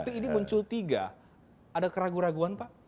memuncul tiga ada keraguan keraguan pak